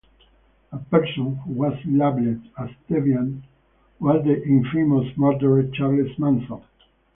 A person who was labeled as deviant was the infamous murderer Charles Manson.